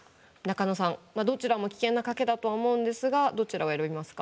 中野さんどちらも危険な賭けだとは思うんですがどちらを選びますか。